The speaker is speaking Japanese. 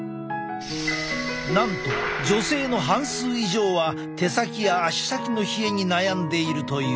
なんと女性の半数以上は手先や足先の冷えに悩んでいるという。